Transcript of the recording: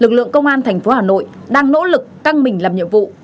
lực lượng công an thành phố hà nội đang nỗ lực căng mình làm nhiệm vụ